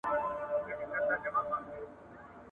له نه مړو ملک، سو ميرو.